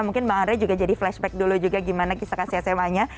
mungkin bang andre juga jadi flashback dulu juga gimana kisah kasih sma nya